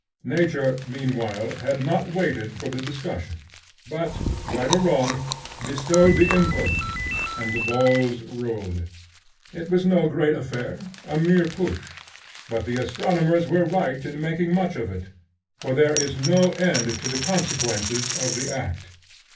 Nature, meanwhile, had not waited for the discussion, but, right or wrong, bestowed the impulse, and the balls rolled. It was no great affair, a mere push, but the astronomers were right in making much of it, for there is no end to the consequences of the act.